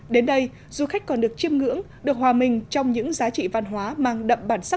đến đây du khách còn được chiêm ngưỡng được hòa mình trong những giá trị văn hóa mang đậm bản sắc